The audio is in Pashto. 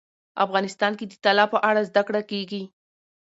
افغانستان کې د طلا په اړه زده کړه کېږي.